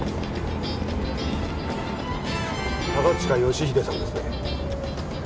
高近義英さんですね？